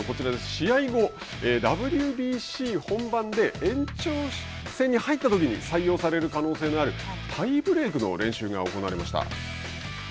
試合後、ＷＢＣ本番で延長戦に入ったときに採用される可能性のあるタイブレークの練習が行われました。